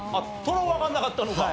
トロわかんなかったのか。